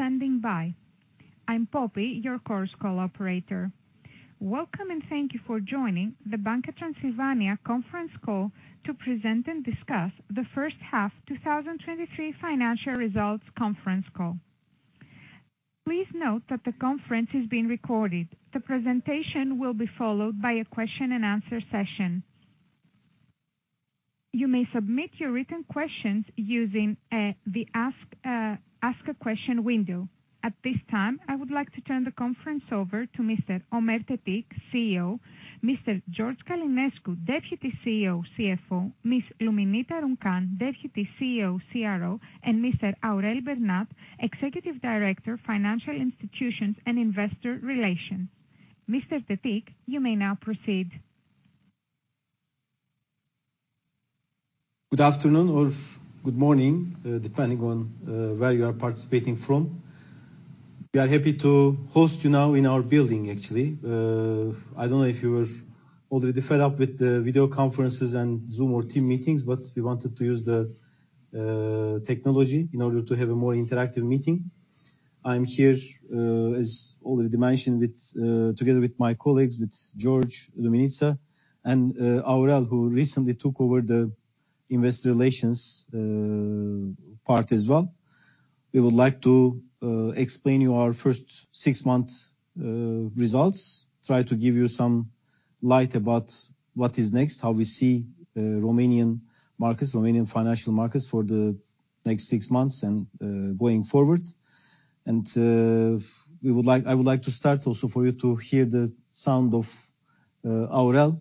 Thank you for standing by. I'm Poppy, your conference call operator. Welcome, and thank you for joining the Banca Transilvania conference call to present and discuss the first half 2023 financial results conference call. Please note that the conference is being recorded. The presentation will be followed by a question and answer session. You may submit your written questions using the Ask a Question window. At this time, I would like to turn the conference over to Mr. Ömer Tetik, CEO, Mr. George Călinescu, Deputy CEO, CFO, Ms. Luminița Runcan, Deputy CEO, CRO, and Mr. Aurel Bernat, Executive Director, Financial Institutions and Investor Relations. Mr. Tetik, you may now proceed. Good afternoon or good morning, depending on where you are participating from. We are happy to host you now in our building, actually. I don't know if you were already fed up with the video conferences and Zoom or Team meetings, but we wanted to use the technology in order to have a more interactive meeting. I'm here, as already mentioned, with together with my colleagues, with George Călinescu, Luminița Runcan, and Aurel Bernat, who recently took over the investor relations part as well. We would like to explain you our first six-month results, try to give you some light about what is next, how we see Romanian markets, Romanian financial markets for the next six months and going forward. And we would like... I would like to start also for you to hear the sound of Aurel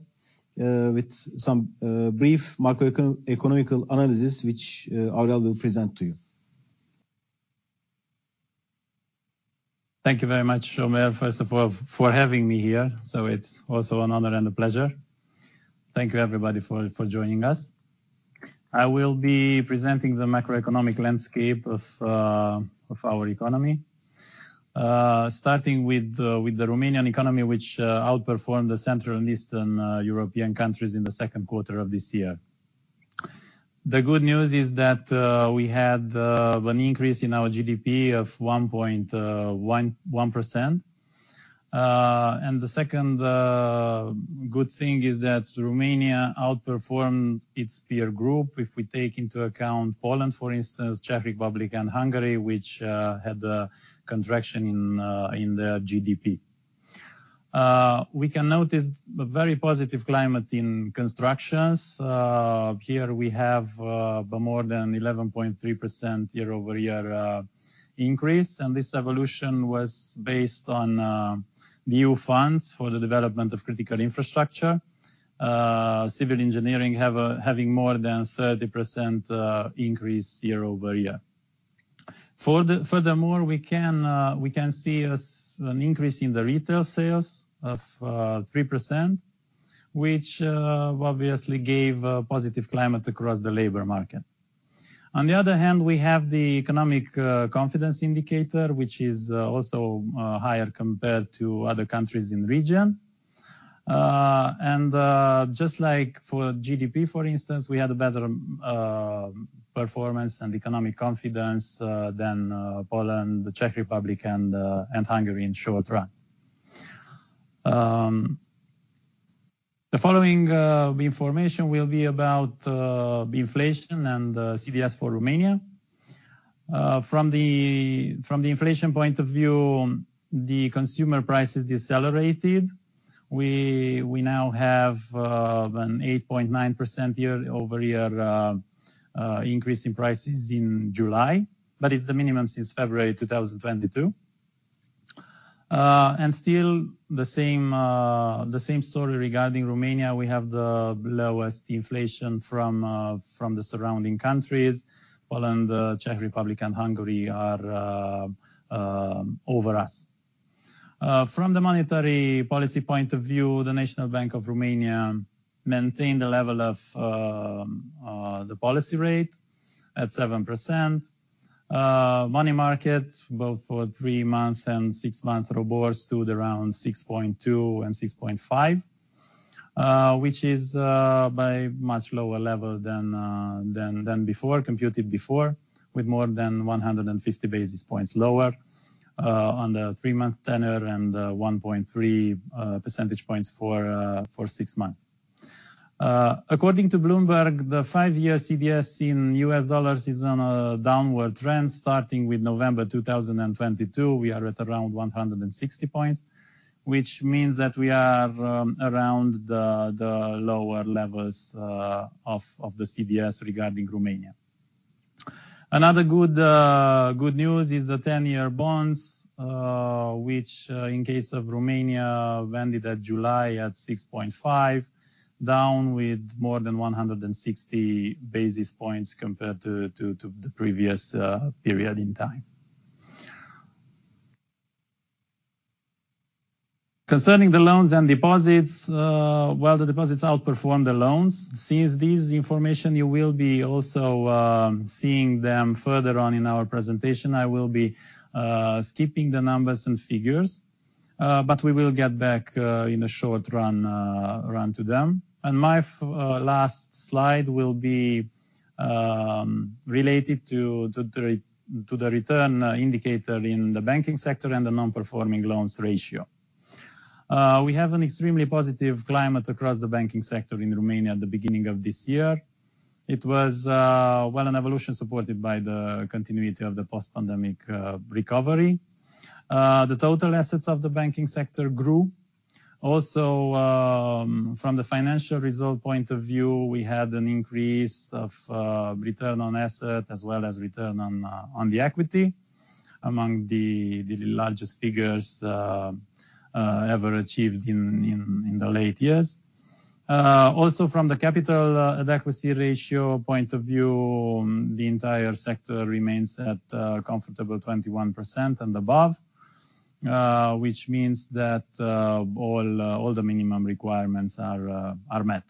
with some brief macroeconomic analysis, which Aurel will present to you. Thank you very much, Ömer, first of all, for having me here, so it's also an honor and a pleasure. Thank you, everybody, for joining us. I will be presenting the macroeconomic landscape of our economy, starting with the Romanian economy, which outperformed the Central and Eastern European countries in the second quarter of this year. The good news is that we had an increase in our GDP of 1.1%. The second good thing is that Romania outperformed its peer group. If we take into account Poland, for instance, Czech Republic and Hungary, which had a contraction in their GDP. We can notice a very positive climate in constructions. Here we have more than 11.3% year-over-year increase, and this evolution was based on new funds for the development of critical infrastructure, civil engineering having more than 30% increase year-over-year. Furthermore, we can see an increase in the retail sales of 3%, which obviously gave a positive climate across the labor market. On the other hand, we have the economic confidence indicator, which is also higher compared to other countries in the region. And just like for GDP, for instance, we had a better performance and economic confidence than Poland, the Czech Republic, and Hungary in short run. The following information will be about inflation and CDS for Romania. From the inflation point of view, the consumer prices decelerated. We now have an 8.9% year-over-year increase in prices in July, but it's the minimum since February 2022. And still the same story regarding Romania, we have the lowest inflation from the surrounding countries. Poland, the Czech Republic and Hungary are over us. From the monetary policy point of view, the National Bank of Romania maintained the level of the policy rate at 7%. Money market, both for three months and six months ROBOR, stood around 6.2% and 6.5%, which is a much lower level than before, compared to before, with more than 150 basis points lower on the three-month tenor and 1.3 percentage points for six months. According to Bloomberg, the five-year CDS in U.S. dollars is on a downward trend starting with November 2022. We are at around 160 points, which means that we are around the lower levels of the CDS regarding Romania. Another good news is the ten-year bonds, which, in case of Romania, ended in July at 6.5, down with more than 160 basis points compared to the previous period in time. Concerning the loans and deposits, well, the deposits outperformed the loans. Since this information, you will also be seeing them further on in our presentation, I will be skipping the numbers and figures. But we will get back in the short run to them. And my last slide will be related to the return indicator in the banking sector and the non-performing loans ratio. We have an extremely positive climate across the banking sector in Romania at the beginning of this year. It was well an evolution supported by the continuity of the post-pandemic recovery. The total assets of the banking sector grew. Also, from the financial result point of view, we had an increase of return on asset as well as return on equity among the largest figures ever achieved in the late years. Also from the capital adequacy ratio point of view, the entire sector remains at comfortable 21% and above, which means that all the minimum requirements are met.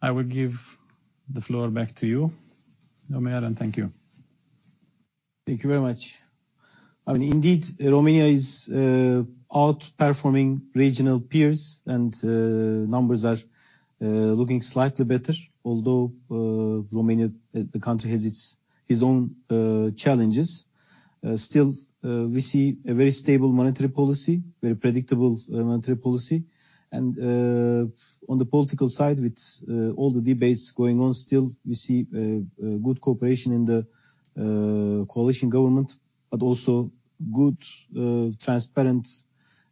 I will give the floor back to you, Ömer, and thank you. Thank you very much. I mean, indeed, Romania is outperforming regional peers, and numbers are looking slightly better, although Romania, the country has its own challenges. Still, we see a very stable monetary policy, very predictable monetary policy. And on the political side, with all the debates going on, still, we see a good cooperation in the coalition government, but also good transparent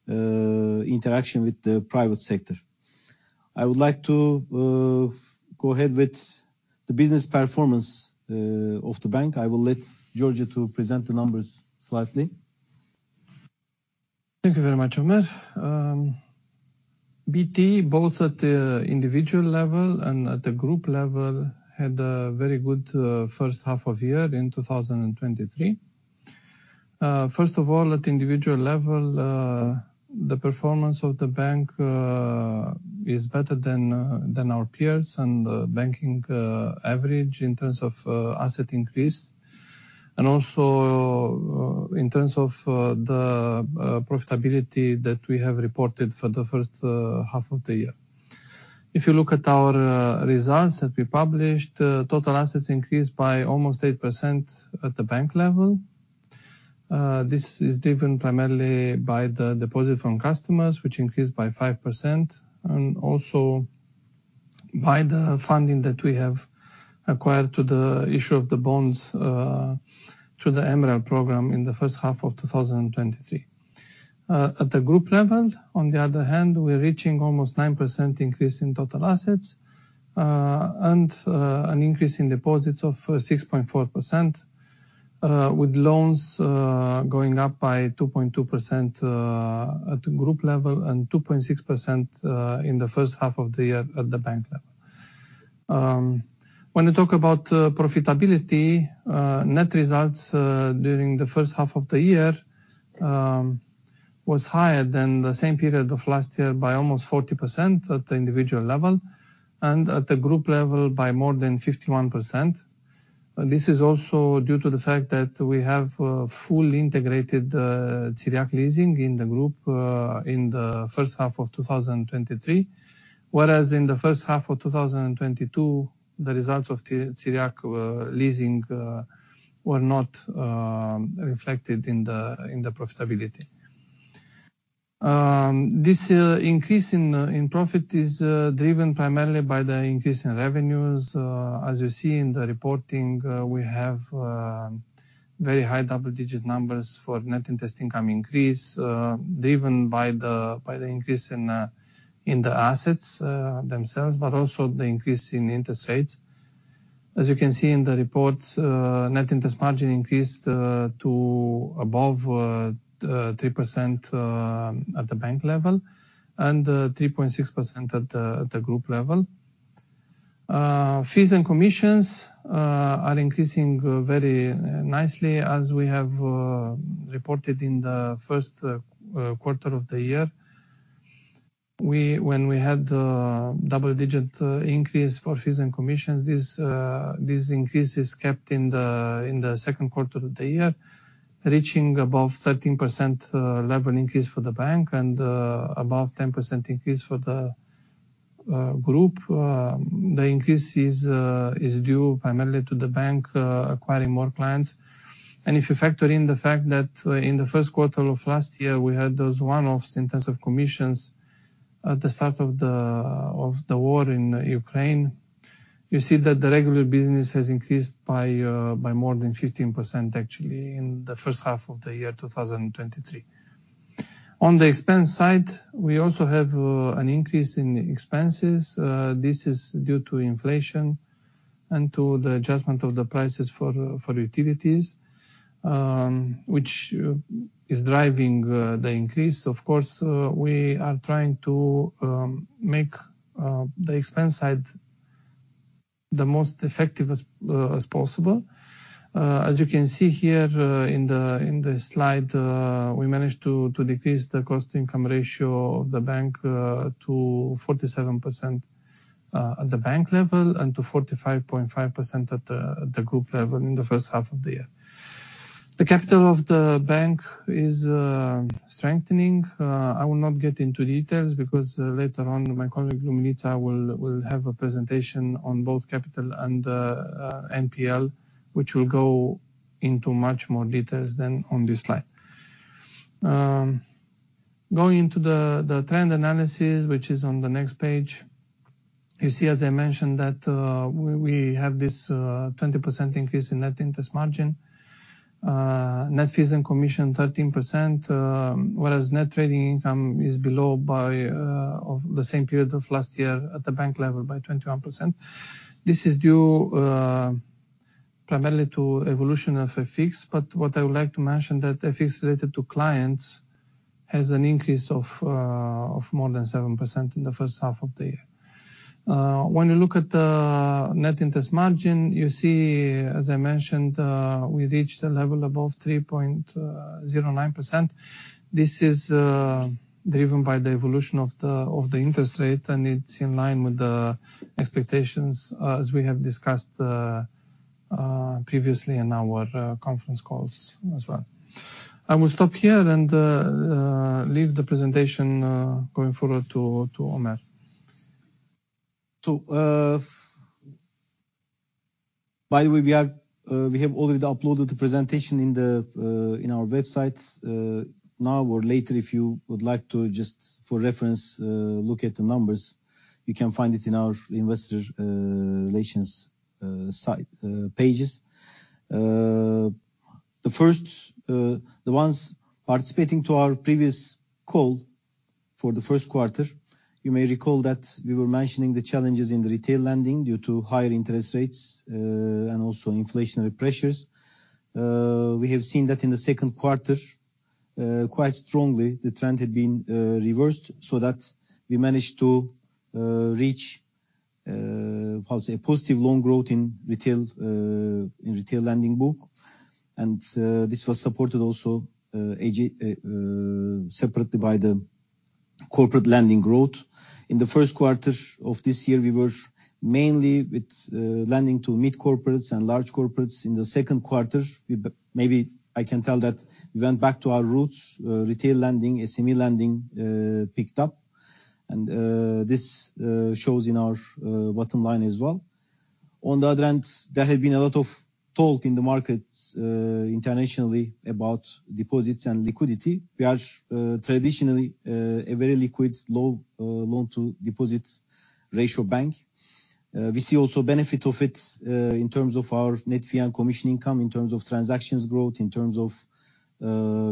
interaction with the private sector. I would like to go ahead with the business performance of the bank. I will let George to present the numbers slightly. Thank you very much, Ömer. BT, both at the individual level and at the group level, had a very good first half of year in 2023. First of all, at individual level, the performance of the bank is better than our peers and banking average in terms of asset increase, and also in terms of the profitability that we have reported for the first half of the year. If you look at our results that we published, total assets increased by almost 8% at the bank level. This is driven primarily by the deposit from customers, which increased by 5%, and also by the funding that we have acquired to the issue of the bonds, through the MREL program in the first half of 2023. At the group level, on the other hand, we're reaching almost 9% increase in total assets, and, an increase in deposits of 6.4%, with loans, going up by 2.2%, at group level, and 2.6%, in the first half of the year at the bank level. When we talk about profitability, net results during the first half of the year was higher than the same period of last year by almost 40% at the individual level, and at the group level by more than 51%. This is also due to the fact that we have full integrated Ţiriac Leasing in the group in the first half of 2023. Whereas in the first half of 2022, the results of Ţiriac Leasing were not reflected in the profitability. This increase in profit is driven primarily by the increase in revenues. As you see in the reporting, we have very high double-digit numbers for net interest income increase, driven by the increase in the assets themselves, but also the increase in interest rates. As you can see in the reports, net interest margin increased to above 3% at the bank level, and 3.6% at the group level. Fees and commissions are increasing very nicely, as we have reported in the first quarter of the year. When we had the double-digit increase for fees and commissions, this increase is kept in the second quarter of the year, reaching above 13% level increase for the bank and above 10% increase for the group. The increase is due primarily to the bank acquiring more clients. If you factor in the fact that in the first quarter of last year, we had those one-offs in terms of commissions at the start of the war in Ukraine, you see that the regular business has increased by more than 15%, actually, in the first half of the year, 2023. On the expense side, we also have an increase in expenses. This is due to inflation and to the adjustment of the prices for utilities, which is driving the increase. Of course, we are trying to make the expense side the most effective as possible. As you can see here, in the slide, we managed to decrease the cost-income ratio of the bank to 47% at the bank level and to 45.5% at the group level in the first half of the year. The capital of the bank is strengthening. I will not get into details because later on, my colleague, Luminița, will have a presentation on both capital and NPL, which will go into much more details than on this slide. Going into the trend analysis, which is on the next page, you see, as I mentioned, we have this 20% increase in net interest margin, net fees and commission 13%, whereas net trading income is below by of the same period of last year at the bank level by 21%. This is due primarily to evolution of FX, but what I would like to mention that FX related to clients has an increase of of more than 7% in the first half of the year. When you look at the net interest margin, you see, as I mentioned, we reached a level above 3.09%. This is driven by the evolution of the interest rate, and it's in line with the expectations as we have discussed previously in our conference calls as well. I will stop here and leave the presentation going forward to Ömer. So, by the way, we have, we have already uploaded the presentation in the, in our website. Now or later, if you would like to just for reference, look at the numbers, you can find it in our investor, relations, site, pages. The first, the ones participating to our previous call for the first quarter, you may recall that we were mentioning the challenges in retail lending due to higher interest rates, and also inflationary pressures. We have seen that in the second quarter, quite strongly, the trend had been reversed so that we managed to reach, how say, a positive loan growth in retail, in retail lending book. And, this was supported also, separately by the corporate lending growth. In the first quarter of this year, we were mainly with lending to mid corporates and large corporates. In the second quarter, maybe I can tell that we went back to our roots. Retail lending, SME lending picked up, and this shows in our bottom line as well. On the other end, there had been a lot of talk in the markets internationally about deposits and liquidity. We are traditionally a very liquid loan-to-deposit ratio bank. We see also benefit of it in terms of our net fee and commission income, in terms of transactions growth, in terms of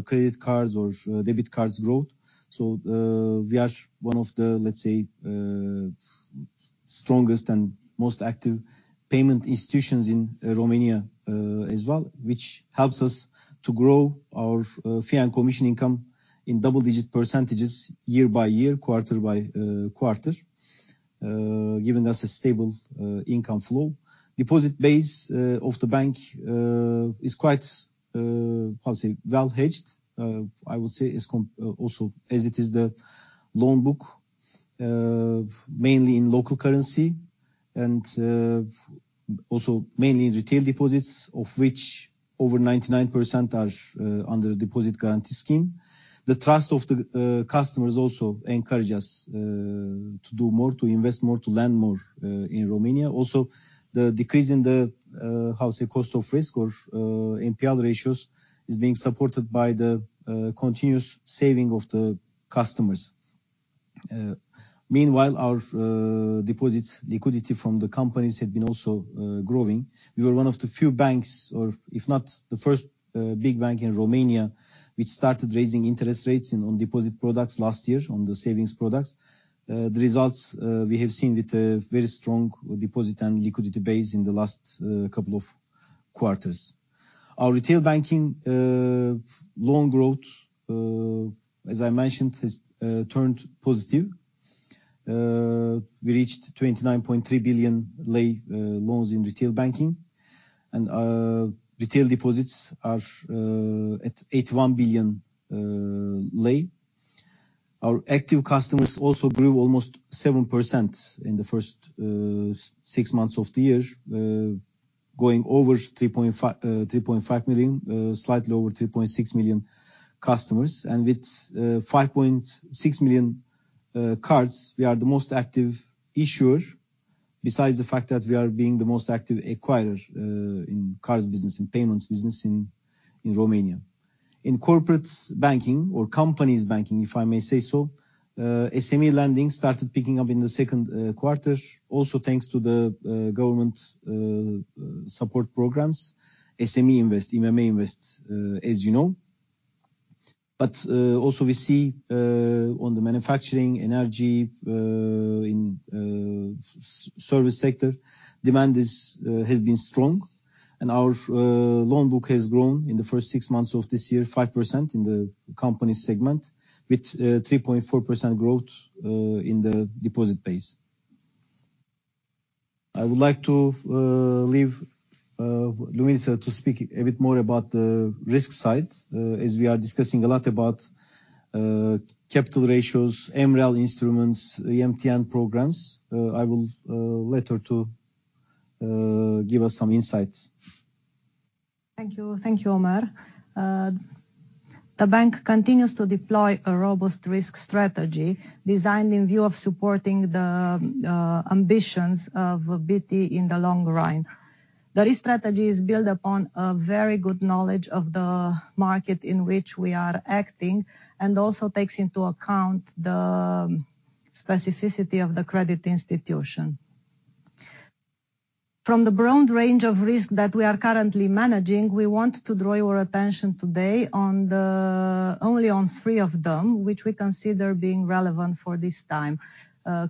credit cards or debit cards growth. So, we are one of the, let's say, strongest and most active payment institutions in Romania, as well, which helps us to grow our fee and commission income in double-digit percentages year by year, quarter by quarter, giving us a stable income flow. Deposit base of the bank is quite well hedged. I would say, is also, as it is the loan book, mainly in local currency and also mainly in retail deposits, of which over 99% are under the deposit guarantee scheme. The trust of the customers also encourage us to do more, to invest more, to lend more in Romania. Also, the decrease in the cost of risk or NPL ratios is being supported by the continuous saving of the customers. Meanwhile, our deposits liquidity from the companies had been also growing. We were one of the few banks, or if not the first, big bank in Romania, which started raising interest rates on deposit products last year, on the savings products. The results we have seen with a very strong deposit and liquidity base in the last couple of quarters. Our retail banking loan growth, as I mentioned, has turned positive. We reached RON 29.3 billion loans in retail banking, and retail deposits are at RON 81 billion. Our active customers also grew almost 7% in the first six months of the year, going over 3.5 million, slightly over 3.6 million customers. With 5.6 million cards, we are the most active issuer, besides the fact that we are being the most active acquirer in cards business and payments business in Romania. In corporates banking or companies banking, if I may say so, SME lending started picking up in the second quarter. Also, thanks to the government support programs, SME Invest, IMM Invest, as you know. But also we see on the manufacturing energy in the service sector, demand has been strong, and our loan book has grown in the first six months of this year, 5% in the company segment, with 3.4% growth in the deposit base. I would like to leave Luminița to speak a bit more about the risk side, as we are discussing a lot about capital ratios, MREL instruments, EMTN programs. I will let her to give us some insights. Thank you. Thank you, Ömer. The bank continues to deploy a robust risk strategy designed in view of supporting the ambitions of BT in the long run. The risk strategy is built upon a very good knowledge of the market in which we are acting, and also takes into account the specificity of the credit institution. From the broad range of risk that we are currently managing, we want to draw your attention today on only three of them, which we consider being relevant for this time: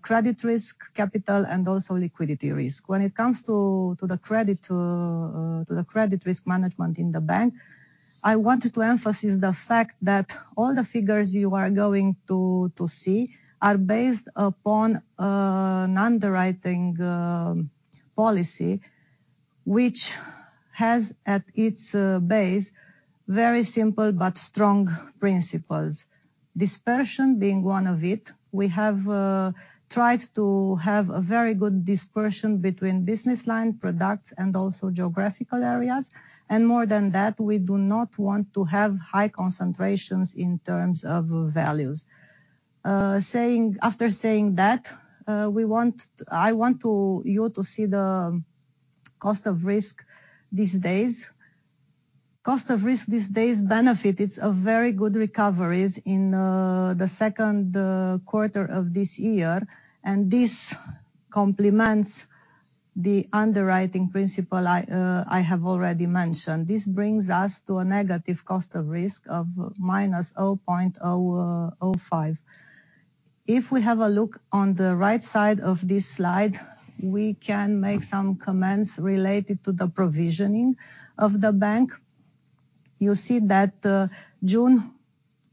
credit risk, capital, and also liquidity risk. When it comes to the credit risk management in the bank, I wanted to emphasize the fact that all the figures you are going to see are based upon an underwriting policy, which has at its base very simple but strong principles, dispersion being one of it. We have tried to have a very good dispersion between business line, products, and also geographical areas, and more than that, we do not want to have high concentrations in terms of values. After saying that, I want you to see the cost of risk these days. Cost of risk these days benefited from very good recoveries in the second quarter of this year, and this complements the underwriting principle I have already mentioned. This brings us to a negative cost of risk of -0.005%. If we have a look on the right side of this slide, we can make some comments related to the provisioning of the bank. You see that, June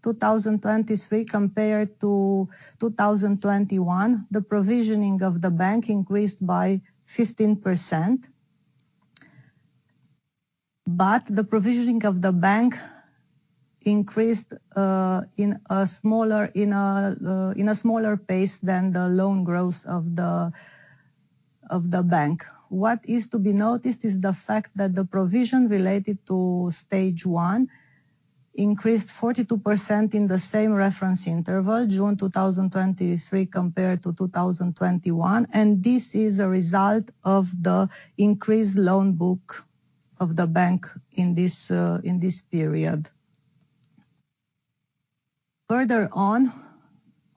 2023 compared to 2021, the provisioning of the bank increased by 15%. But the provisioning of the bank increased in a smaller pace than the loan growth of the bank. What is to be noticed is the fact that the provision related to Stage One increased 42% in the same reference interval, June 2023 compared to 2021, and this is a result of the increased loan book of the bank in this period. Further on,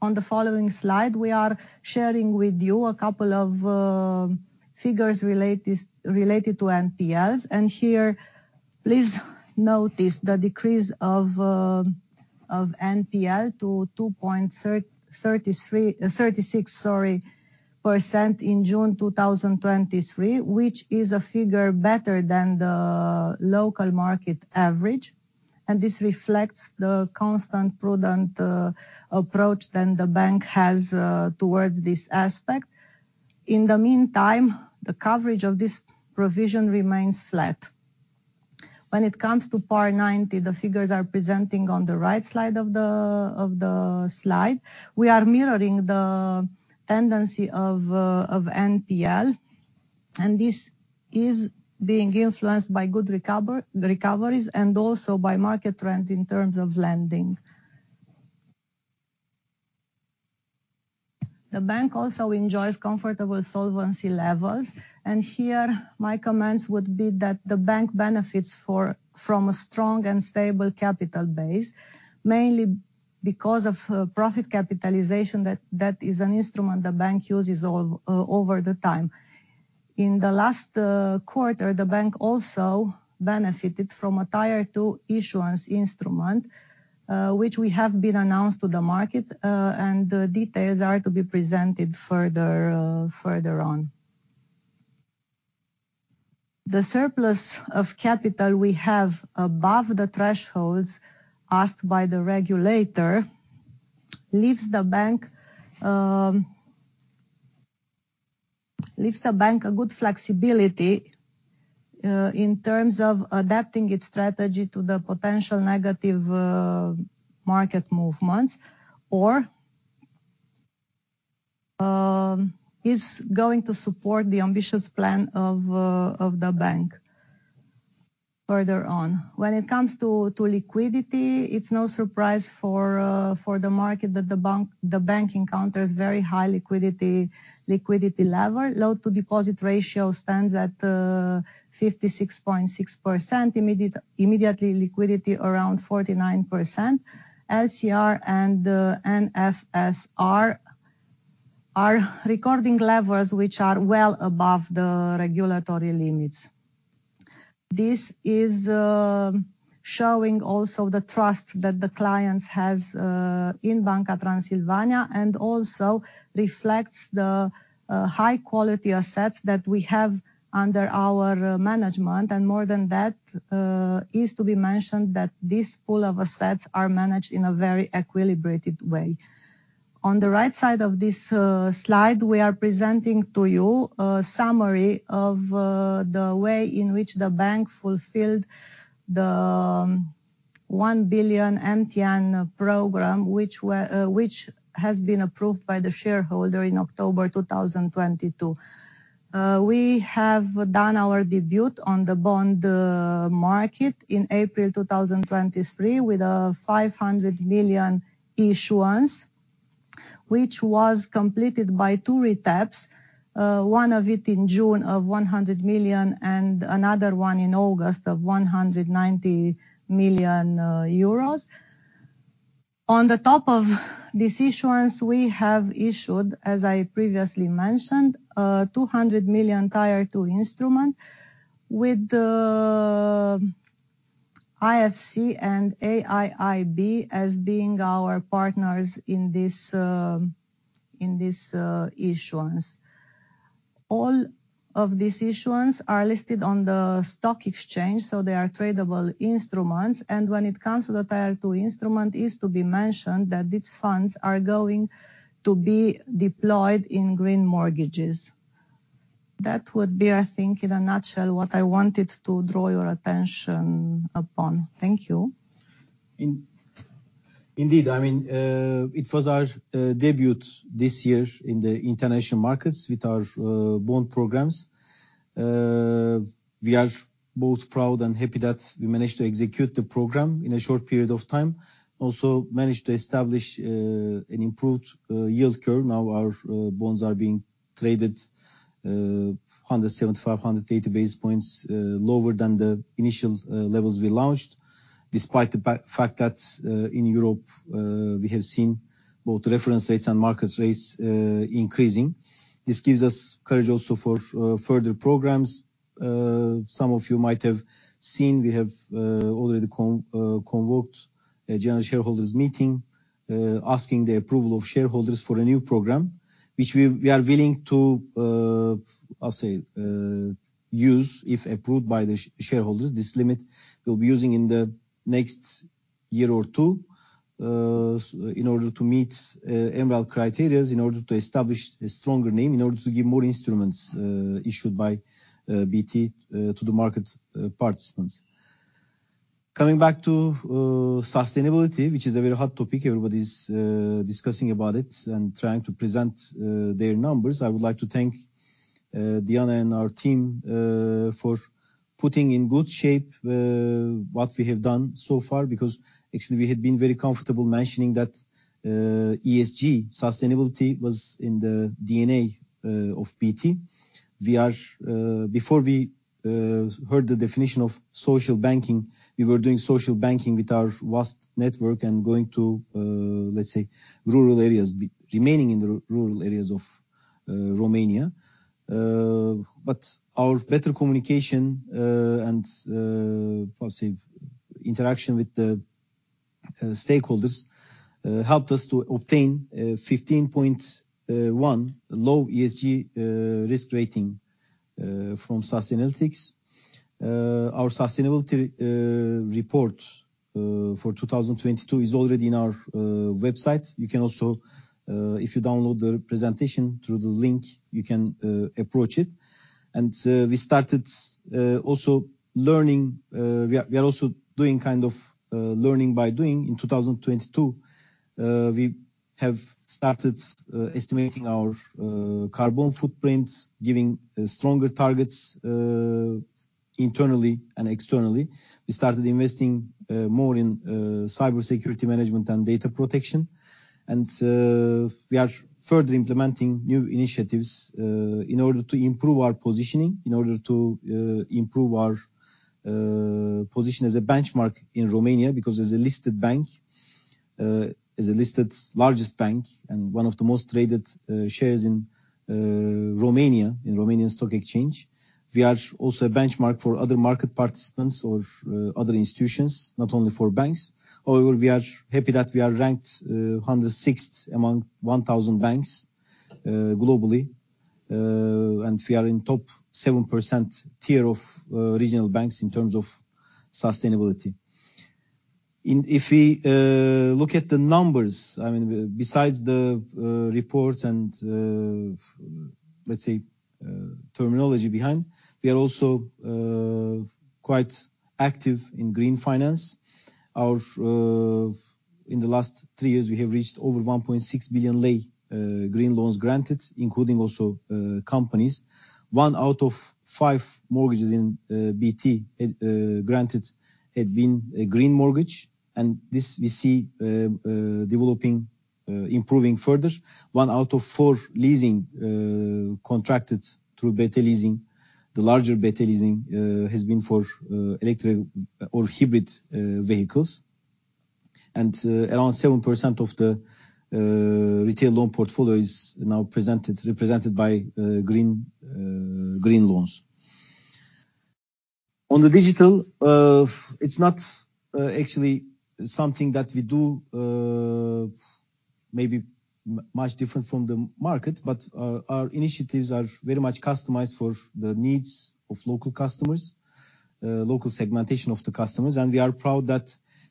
on the following slide, we are sharing with you a couple of figures related to NPLs, and here, please notice the decrease of NPL to 2.36% in June 2023, which is a figure better than the local market average, and this reflects the constant prudent approach that the bank has towards this aspect. In the meantime, the coverage of this provision remains flat. When it comes to PAR 90, the figures are presenting on the right side of the slide. We are mirroring the tendency of NPL, and this is being influenced by good recoveries and also by market trends in terms of lending. The bank also enjoys comfortable solvency levels, and here my comments would be that the bank benefits from a strong and stable capital base, mainly because of profit capitalization, that is an instrument the bank uses over the time. In the last quarter, the bank also benefited from a Tier 2 issuance instrument, which we have been announced to the market, and the details are to be presented further, further on. The surplus of capital we have above the thresholds asked by the regulator leaves the bank a good flexibility in terms of adapting its strategy to the potential negative market movements, or is going to support the ambitious plan of the bank further on. When it comes to liquidity, it's no surprise for the market that the bank encounters very high liquidity level. Loan-to-deposit ratio stands at 56.6%, immediate liquidity around 49%. LCR and NSFR are recording levels which are well above the regulatory limits. This is showing also the trust that the clients has in Banca Transilvania and also reflects the high quality assets that we have under our management, and more than that, is to be mentioned that this pool of assets are managed in a very equilibrated way. On the right side of this slide, we are presenting to you a summary of the way in which the bank fulfilled the 1 billion MTN program, which has been approved by the shareholder in October 2022. We have done our debut on the bond market in April 2023, with a 500 million issuance, which was completed by two retaps, one of it in June of 100 million, and another one in August of 190 million euros. On the top of this issuance, we have issued, as I previously mentioned, 200 million Tier 2 instrument with IFC and AIIB as being our partners in this issuance. All of these issuance are listed on the stock exchange, so they are tradable instruments. And when it comes to the Tier 2 instrument, is to be mentioned that these funds are going to be deployed in green mortgages. That would be, I think, in a nutshell, what I wanted to draw your attention upon. Thank you. Indeed, I mean, it was our debut this year in the international markets with our bond programs. We are both proud and happy that we managed to execute the program in a short period of time. Also managed to establish an improved yield curve. Now, our bonds are being traded 175-180 basis points lower than the initial levels we launched, despite the fact that in Europe we have seen both reference rates and market rates increasing. This gives us courage also for further programs. Some of you might have seen, we have already convoked a general shareholders' meeting asking the approval of shareholders for a new program, which we are willing to, I'll say, use, if approved by the shareholders. This limit we'll be using in the next year or two, in order to meet MREL criteria, in order to establish a stronger name, in order to give more instruments issued by BT to the market participants. Coming back to sustainability, which is a very hot topic, everybody's discussing about it and trying to present their numbers. I would like to thank Diana and our team for putting in good shape what we have done so far. Because actually, we had been very comfortable mentioning that ESG sustainability was in the DNA of BT. We are... Before we heard the definition of social banking, we were doing social banking with our vast network and going to, let's say, rural areas, remaining in the rural areas of Romania. But our better communication and perhaps interaction with the stakeholders helped us to obtain a 15.1 low ESG risk rating from Sustainalytics. Our sustainability report for 2022 is already in our website. You can also, if you download the presentation through the link, you can approach it. And we started also learning; we are, we are also doing kind of learning by doing. In 2022, we have started estimating our carbon footprint, giving stronger targets internally and externally. We started investing more in cybersecurity management and data protection. We are further implementing new initiatives in order to improve our positioning, in order to improve our position as a benchmark in Romania because as a listed bank, as a listed largest bank and one of the most traded shares in Romania, in Romanian Stock Exchange. We are also a benchmark for other market participants or other institutions, not only for banks. However, we are happy that we are ranked 106th among 1,000 banks globally, and we are in top 7% tier of regional banks in terms of sustainability. If we look at the numbers, I mean, besides the report and let's say terminology behind, we are also quite active in green finance. In the last three years, we have reached over RON 1.6 billion green loans granted, including also companies. One out of five mortgages in BT granted had been a green mortgage, and this we see developing, improving further. One out of four leasing contracted through BT Leasing, the larger BT Leasing, has been for electric or hybrid vehicles. Around 7% of the retail loan portfolio is now represented by green loans. On the digital, it's not actually something that we do maybe much different from the market, but our initiatives are very much customized for the needs of local customers. local segmentation of the customers, and we are proud that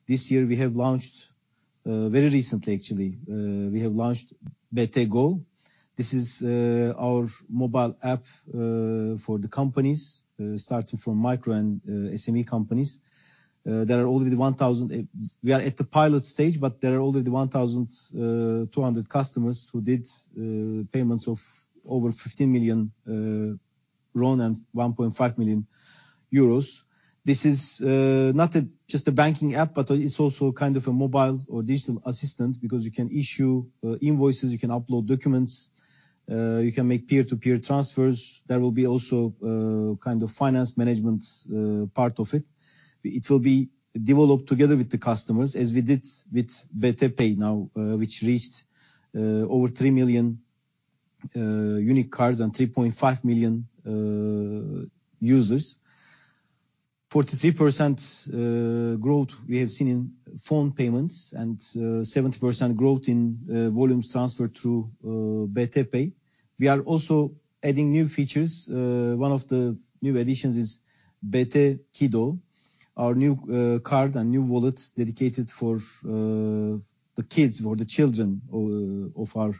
this year we have launched, very recently actually, we have launched BT Go. This is, our mobile app, for the companies, starting from micro and, SME companies. There are already 1,200 customers who did, payments of over RON 15 million and 1.5 million euros. This is, not a, just a banking app, but it's also kind of a mobile or digital assistant, because you can issue, invoices, you can upload documents, you can make peer-to-peer transfers. There will be also, kind of finance management, part of it. It will be developed together with the customers, as we did with BT Pay now, which reached over 3 million unique cards and 3.5 million users. 43% growth we have seen in phone payments, and 70% growth in volumes transferred through BT Pay. We are also adding new features. One of the new additions is BT Kiddo, our new card and new wallet dedicated for the kids, for the children of our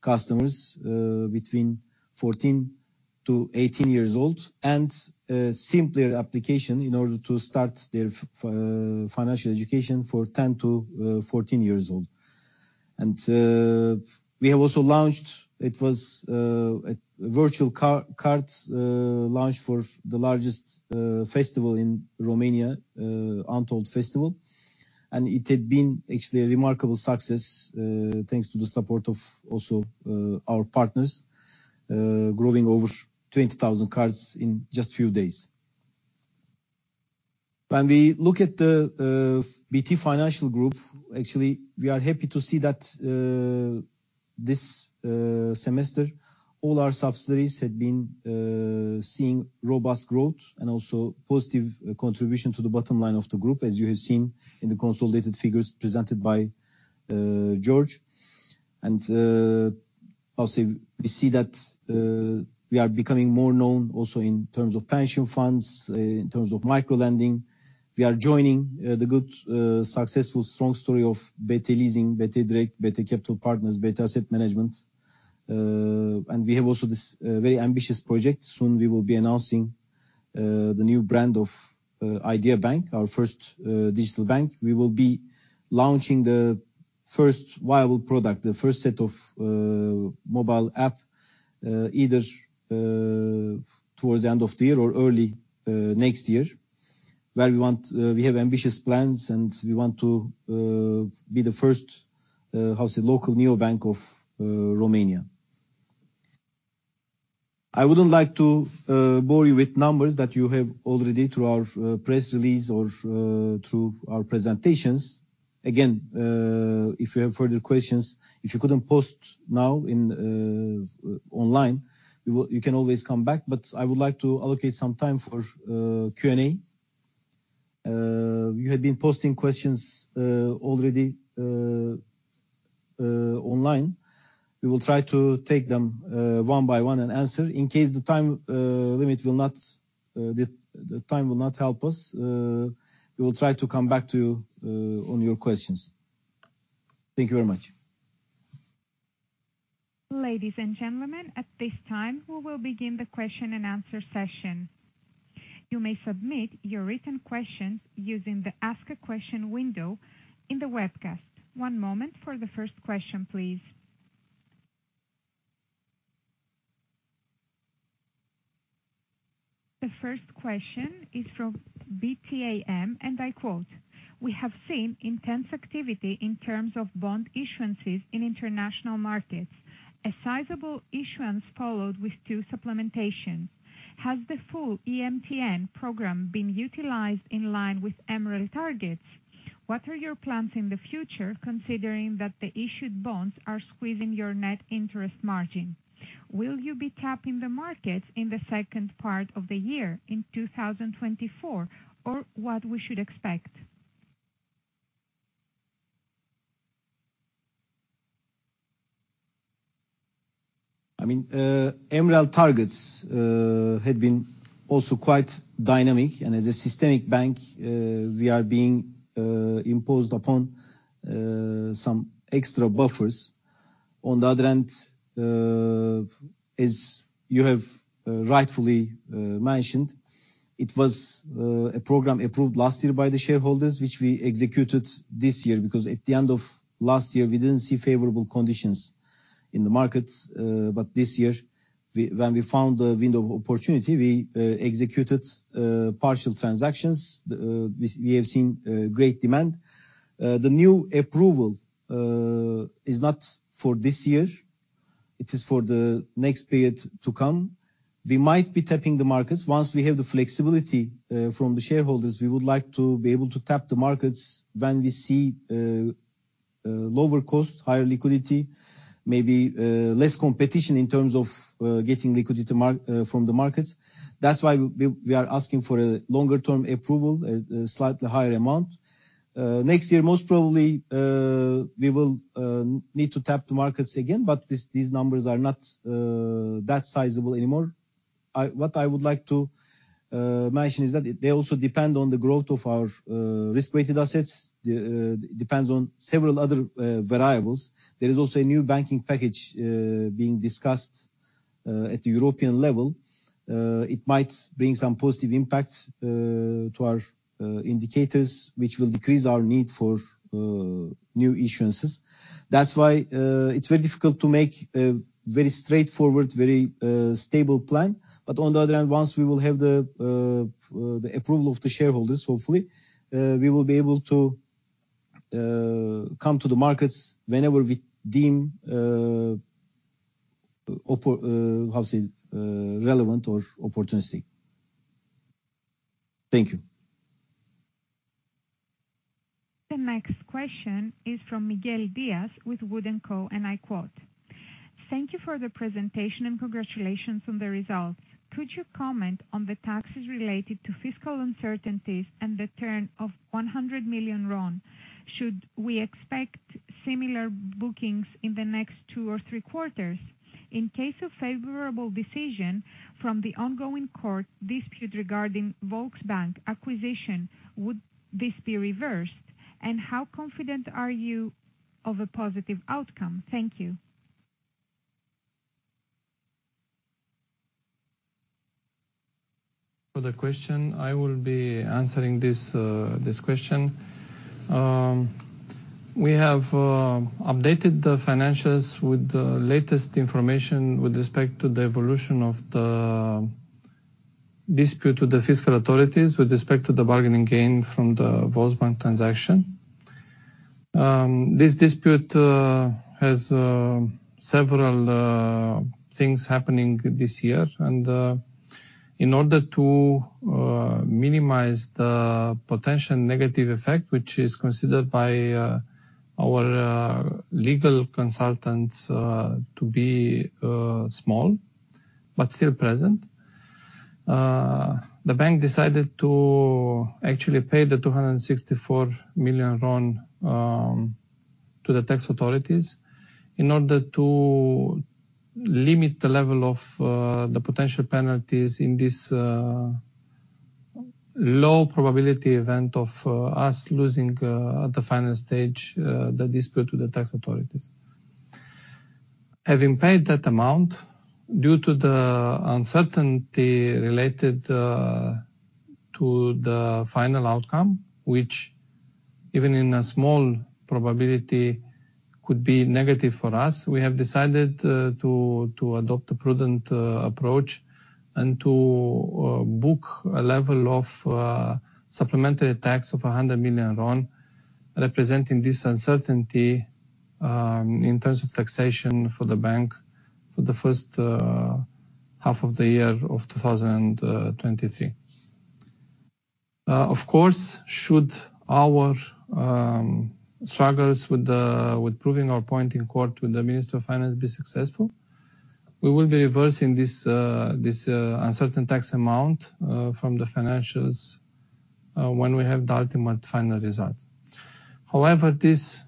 customers between 14 to 18 years old, and a simpler application in order to start their financial education for 10 to 14 years old. We have also launched a virtual card launched for the largest festival in Romania, Untold Festival. It had been actually a remarkable success, thanks to the support of also our partners, growing over 20,000 cards in just a few days. When we look at the BT Financial Group, actually, we are happy to see that this semester, all our subsidiaries had been seeing robust growth and also positive contribution to the bottom line of the group, as you have seen in the consolidated figures presented by George. And also we see that we are becoming more known also in terms of pension funds, in terms of micro-lending. We are joining the good successful strong story of BT Leasing, BT Direct, BT Capital Partners, BT Asset Management. And we have also this very ambitious project. Soon we will be announcing the new brand of Idea Bank, our first digital bank. We will be launching the first viable product, the first set of mobile app either towards the end of the year or early next year, where we want. We have ambitious plans, and we want to be the first, how to say, local neobank of Romania. I wouldn't like to bore you with numbers that you have already through our press release or through our presentations. Again, if you have further questions, if you couldn't post now in online, we will- you can always come back, but I would like to allocate some time for Q&A. You had been posting questions already online. We will try to take them one by one and answer. In case the time limit will not, the time will not help us, we will try to come back to you on your questions. Thank you very much. Ladies and gentlemen, at this time, we will begin the question-and-answer session. You may submit your written questions using the Ask a Question window in the webcast. One moment for the first question, please. The first question is from BTAM, and I quote: "We have seen intense activity in terms of bond issuances in international markets. A sizable issuance followed with two supplementation. Has the full EMTN Program been utilized in line with MREL targets? What are your plans in the future, considering that the issued bonds are squeezing your net interest margin? Will you be tapping the markets in the second part of the year in 2024, or what we should expect? I mean, MREL targets had been also quite dynamic, and as a systemic bank, we are being imposed upon some extra buffers. On the other end, as you have rightfully mentioned, it was a program approved last year by the shareholders, which we executed this year, because at the end of last year, we didn't see favorable conditions in the market. But this year, when we found a window of opportunity, we executed partial transactions. We have seen great demand. The new approval is not for this year; it is for the next period to come. We might be tapping the markets. Once we have the flexibility from the shareholders, we would like to be able to tap the markets when we see lower cost, higher liquidity, maybe less competition in terms of getting liquidity from the markets. That's why we are asking for a longer-term approval at a slightly higher amount. Next year, most probably, we will need to tap the markets again, but these numbers are not that sizable anymore. What I would like to mention is that they also depend on the growth of our risk-weighted assets. Depends on several other variables. There is also a new banking package being discussed at the European level. It might bring some positive impact to our indicators, which will decrease our need for new issuances. That's why, it's very difficult to make a very straightforward, very, stable plan. But on the other hand, once we will have the, the approval of the shareholders, hopefully, we will be able to, come to the markets whenever we deem, oppor- how to say, relevant or opportunity. Thank you. The next question is from Miguel Dias with Wood & Co, and I quote: "Thank you for the presentation, and congratulations on the results. Could you comment on the taxes related to fiscal uncertainties and the turn of RON 100 million? Should we expect similar bookings in the next two or three quarters? In case of favorable decision from the ongoing court dispute regarding Volksbank acquisition, would this be reversed? And how confident are you of a positive outcome? Thank you. For the question, I will be answering this question. We have updated the financials with the latest information with respect to the evolution of the dispute with the fiscal authorities, with respect to the bargaining gain from the Volksbank transaction. This dispute has several things happening this year, and in order to minimize the potential negative effect, which is considered by our legal consultants to be small but still present, the bank decided to actually pay the RON 264 million to the tax authorities in order to limit the level of the potential penalties in this low probability event of us losing at the final stage the dispute to the tax authorities. Having paid that amount, due to the uncertainty related to the final outcome, which even in a small probability could be negative for us, we have decided to adopt a prudent approach and to book a level of supplementary tax of RON 100 million, representing this uncertainty in terms of taxation for the bank for the first half of the year of 2023. Of course, should our struggles with proving our point in court with the Minister of Finance be successful, we will be reversing this uncertain tax amount from the financials when we have the ultimate final result. However, this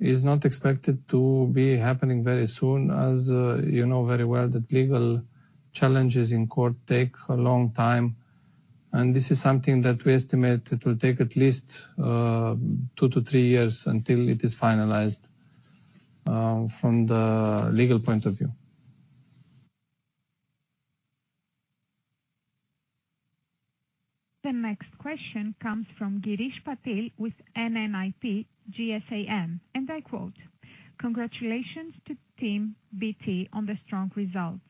is not expected to be happening very soon, as, you know very well, that legal challenges in court take a long time, and this is something that we estimate it will take at least 2-3 years until it is finalized from the legal point of view. The next question comes from Girish Patil with NNIP GSAM, and I quote: "Congratulations to Team BT on the strong results.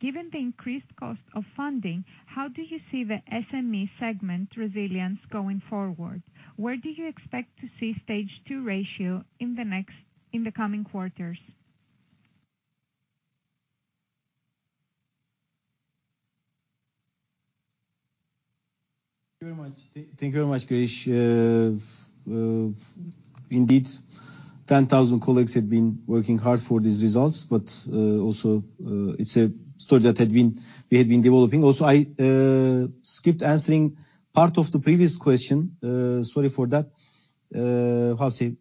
Given the increased cost of funding, how do you see the SME segment resilience going forward? Where do you expect to see stage two ratio in the coming quarters? Thank you very much. Thank you very much, Girish. Indeed, 10,000 colleagues have been working hard for these results, but also, it's a story that had been, we had been developing. Also, I skipped answering part of the previous question. Sorry for that. How to say?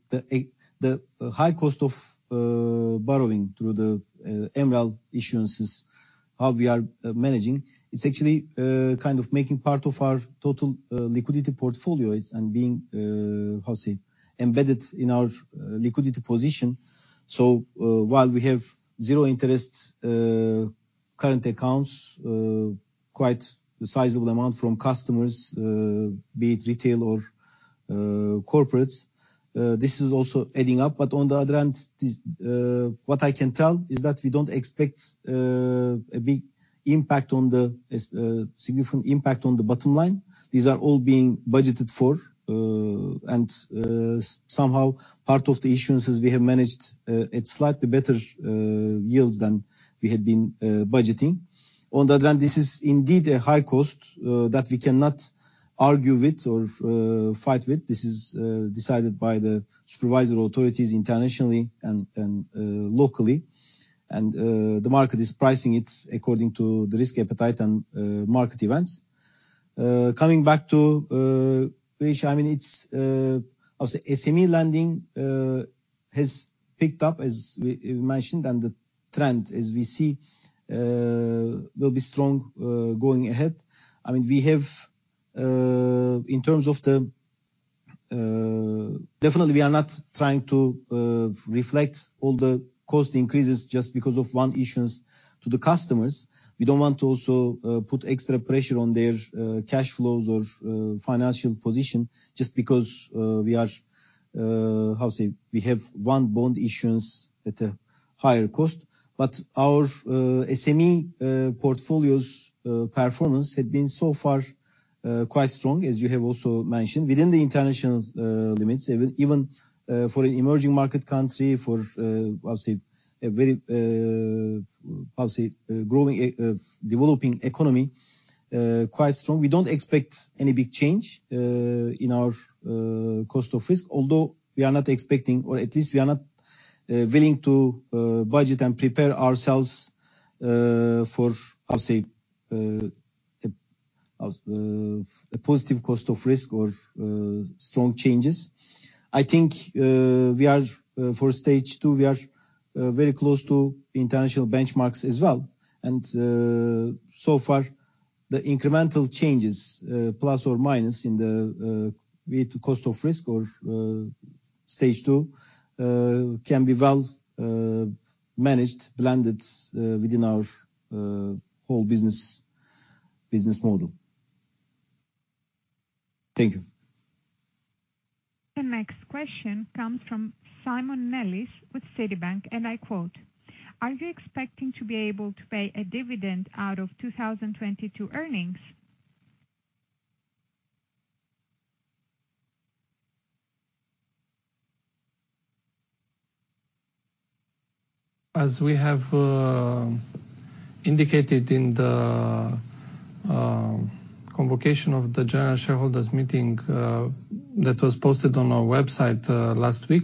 The high cost of borrowing through the MREL issuances, how we are managing, it's actually kind of making part of our total liquidity portfolio and being, how to say, embedded in our liquidity position. So, while we have zero interest current accounts, quite a sizable amount from customers, be it retail or corporates, this is also adding up. But on the other hand, this, what I can tell is that we don't expect a big impact on the... significant impact on the bottom line. These are all being budgeted for, and somehow part of the issuances we have managed at slightly better yields than we had been budgeting. On the other hand, this is indeed a high cost that we cannot argue with or fight with. This is decided by the supervisory authorities, internationally and locally... and the market is pricing it according to the risk appetite and market events. Coming back to which, I mean, it's, I'll say SME lending has picked up, as we mentioned, and the trend, as we see, will be strong going ahead. I mean, we have in terms of the... Definitely, we are not trying to reflect all the cost increases just because of one issuance to the customers. We don't want to also put extra pressure on their cash flows or financial position just because we are, how say, we have one bond issuance at a higher cost. But our SME portfolio's performance had been so far quite strong, as you have also mentioned, within the international limits, even for an emerging market country, for, how say, a very, how say, growing, developing economy, quite strong. We don't expect any big change in our cost of risk, although we are not expecting, or at least we are not willing to budget and prepare ourselves for, how say, a, how, a positive cost of risk or strong changes. I think we are, for stage two, we are very close to the international benchmarks as well. And so far, the incremental changes, plus or minus in the with cost of risk or stage two, can be well managed, blended within our whole business business model. Thank you. The next question comes from Simon Nellis with Citibank, and I quote, "Are you expecting to be able to pay a dividend out of 2022 earnings? As we have indicated in the convocation of the general shareholders meeting that was posted on our website last week,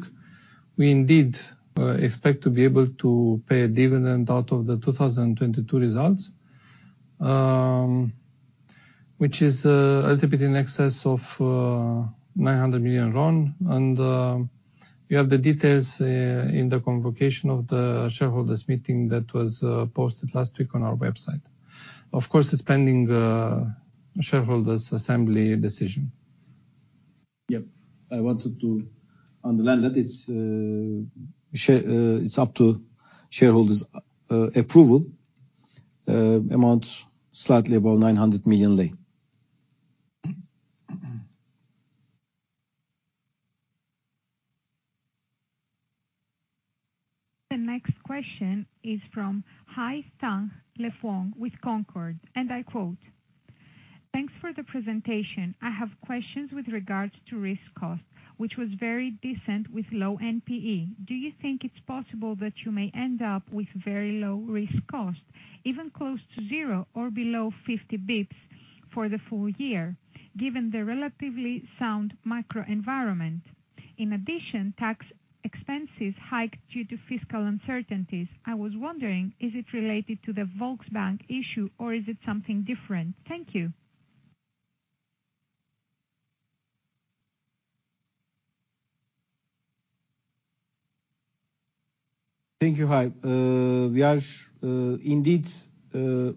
we indeed expect to be able to pay a dividend out of the 2022 results, which is a little bit in excess of RON 900 million. And you have the details in the convocation of the shareholders meeting that was posted last week on our website. Of course, it's pending shareholders' assembly decision. Yep. I wanted to underline that it's up to shareholders' approval, amount slightly above RON 900 million. The next question is from Hai Thanh Le Phuong Thank you, Hai. We are indeed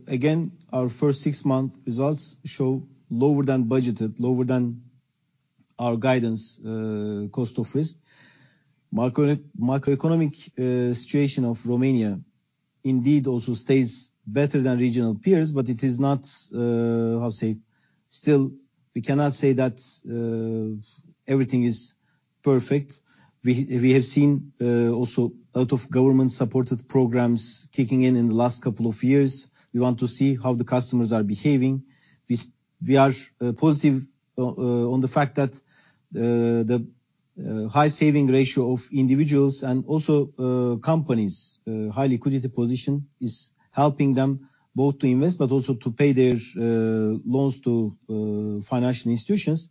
again our first six-month results show lower than budgeted, lower than our guidance, cost of risk. Macroeconomic situation of Romania indeed also stays better than regional peers, but it is not how say still, we cannot say that everything is perfect. We have seen also a lot of government-supported programs kicking in in the last couple of years. We want to see how the customers are behaving. We are positive on the fact that the high saving ratio of individuals and also companies high liquidity position is helping them both to invest, but also to pay their loans to financial institutions.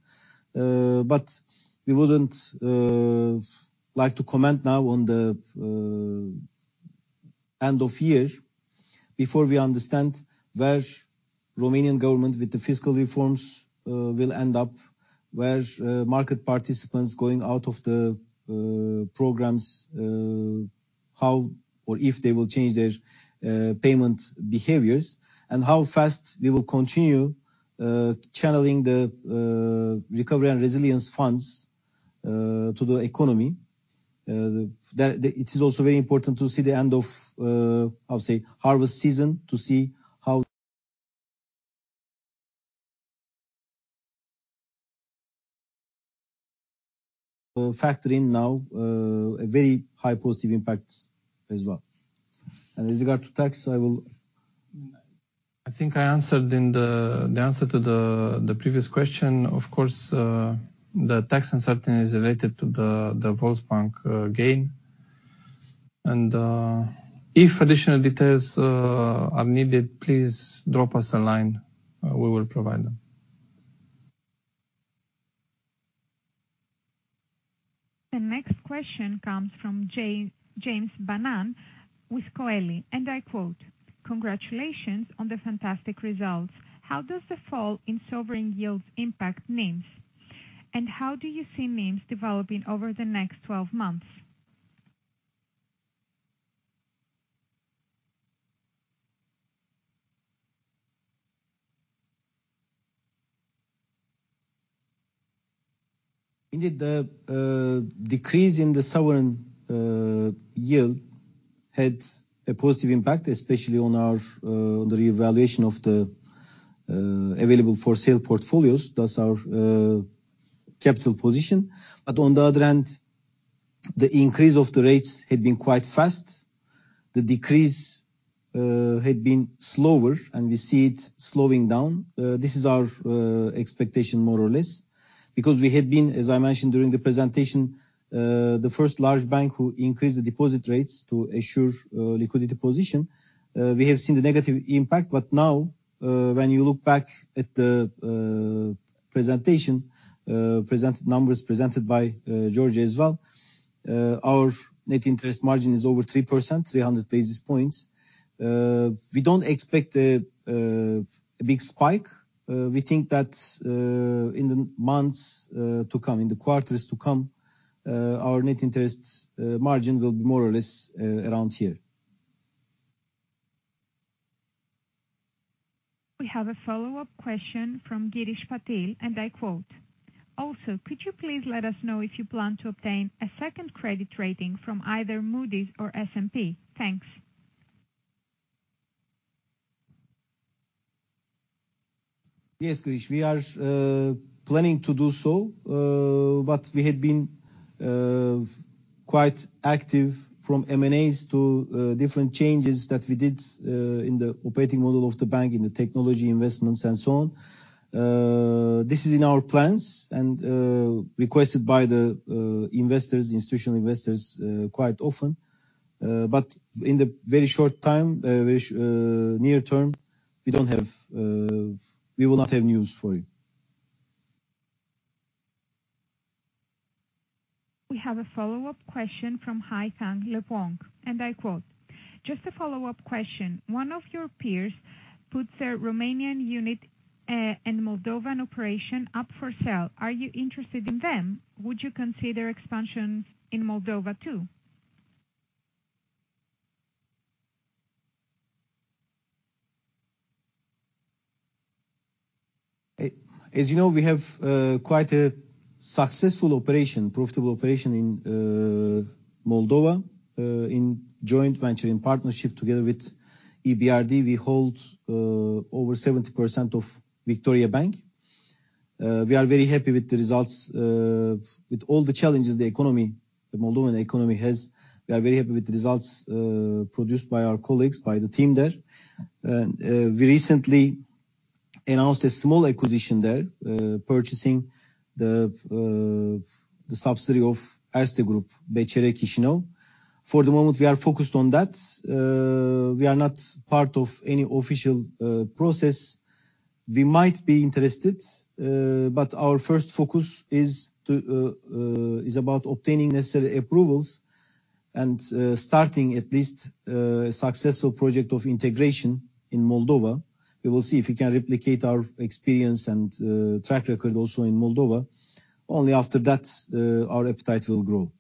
But we wouldn't like to comment now on the end of year before we understand where Romanian government, with the fiscal reforms, will end up, where market participants going out of the programs how or if they will change their payment behaviors, and how fast we will continue channeling the recovery and resilience funds to the economy. That- it is also very important to see the end of how say, harvest season to see how factor in now a very high positive impact as well. And with regard to tax, I will- I think I answered in the answer to the previous question. Of course, the tax uncertainty is related to the Volksbank gain. And, if additional details are needed, please drop us a line. We will provide them.... The next question comes from James Bannan with Coeli, and I quote: "Congratulations on the fantastic results. How does the fall in sovereign yields impact NIMs, and how do you see NIMs developing over the next 12 months? Indeed, the decrease in the sovereign yield had a positive impact, especially on our, the revaluation of the available-for-sale portfolios. That's our capital position. But on the other hand, the increase of the rates had been quite fast. The decrease had been slower, and we see it slowing down. This is our expectation, more or less, because we had been, as I mentioned during the presentation, the first large bank who increased the deposit rates to ensure liquidity position. We have seen the negative impact, but now, when you look back at the presentation, presented numbers presented by George as well, our net interest margin is over 3%, 300 basis points. We don't expect a big spike. We think that, in the months to come, in the quarters to come, our net interest margin will be more or less around here. We have a follow-up question from Girish Patil, and I quote: "Also, could you please let us know if you plan to obtain a second credit rating from either Moody's or S&P? Thanks. Yes, Girish, we are planning to do so, but we had been quite active from M&As to different changes that we did in the operating model of the bank, in the technology investments, and so on. This is in our plans and requested by the investors, institutional investors, quite often. But in the very short time, very near term, we don't have, we will not have news for you. We have a follow-up question from Hai Thanh Le Phuong, and I quote: "Just a follow-up question. One of your peers put their Romanian unit, and Moldovan operation up for sale. Are you interested in them? Would you consider expansion in Moldova, too? As you know, we have quite a successful operation, profitable operation in Moldova, in joint venture in partnership together with EBRD. We hold over 70% of Victoriabank. We are very happy with the results. With all the challenges, the economy, the Moldovan economy has, we are very happy with the results produced by our colleagues, by the team there. And we recently announced a small acquisition there, purchasing the subsidiary of Erste Group, BCR Chișinău. For the moment, we are focused on that. We are not part of any official process. We might be interested, but our first focus is about obtaining necessary approvals and starting at least a successful project of integration in Moldova. We will see if we can replicate our experience and track record also in Moldova. Only after that, our appetite will grow.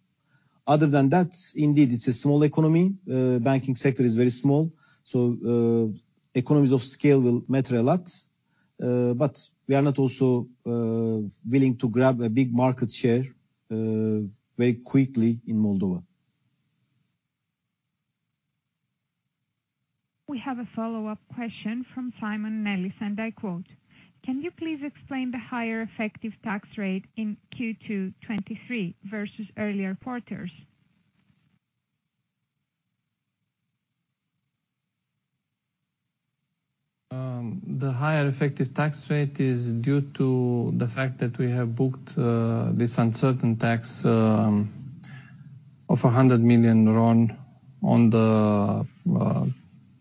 Other than that, indeed, it's a small economy. Banking sector is very small, so economies of scale will matter a lot, but we are not also willing to grab a big market share very quickly in Moldova. We have a follow-up question from Simon Nellis, and I quote: "Can you please explain the higher effective tax rate in Q2 2023 versus earlier quarters? The higher effective tax rate is due to the fact that we have booked this uncertain tax of RON 100 million on the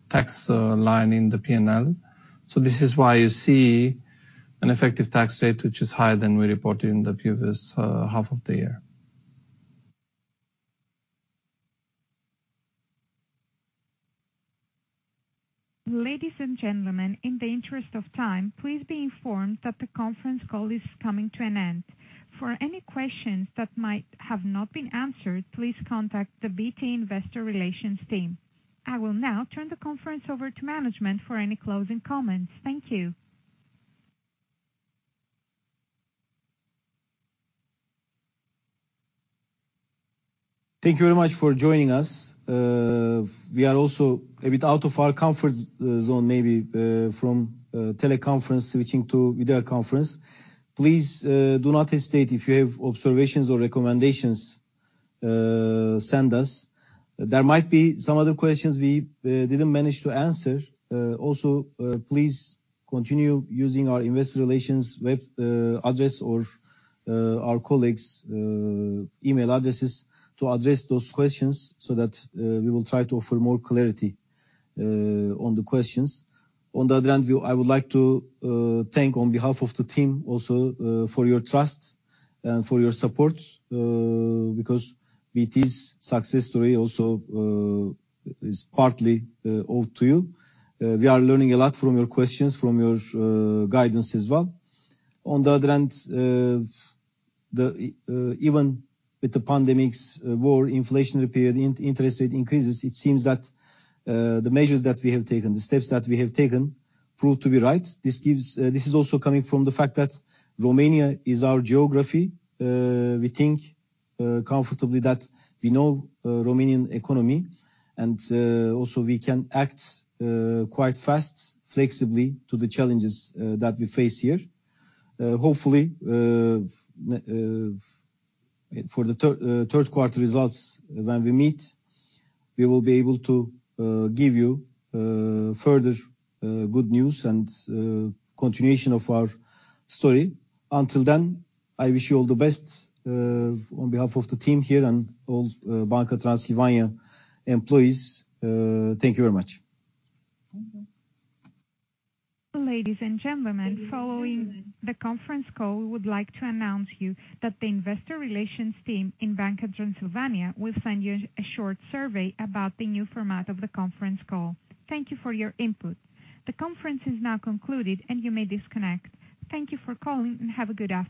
tax line in the P&L. So this is why you see an effective tax rate, which is higher than we reported in the previous half of the year. Ladies and gentlemen, in the interest of time, please be informed that the conference call is coming to an end. For any questions that might have not been answered, please contact the BT investor relations team. I will now turn the conference over to management for any closing comments. Thank you. Thank you very much for joining us. We are also a bit out of our comfort zone, maybe, from teleconference switching to video conference. Please do not hesitate if you have observations or recommendations, send us. There might be some other questions we didn't manage to answer. Also, please continue using our investor relations web address or our colleagues' email addresses to address those questions so that we will try to offer more clarity on the questions. On the other hand, view, I would like to thank on behalf of the team also for your trust and for your support, because BT's success story also is partly owed to you. We are learning a lot from your questions, from your guidance as well. On the other hand, even with the pandemics, war, inflationary period, and interest rate increases, it seems that the measures that we have taken, the steps that we have taken, proved to be right. This gives, this is also coming from the fact that Romania is our geography. We think comfortably that we know Romanian economy, and also we can act quite fast, flexibly to the challenges that we face here. Hopefully, for the third, third quarter results, when we meet, we will be able to give you further good news and continuation of our story. Until then, I wish you all the best on behalf of the team here and all Banca Transilvania employees, thank you very much. Ladies and gentlemen, following the conference call, we would like to announce you that the investor relations team in Banca Transilvania will send you a short survey about the new format of the conference call. Thank you for your input. The conference is now concluded, and you may disconnect. Thank you for calling, and have a good afternoon.